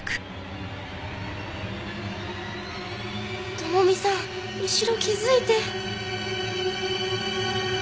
智美さん後ろ気づいて！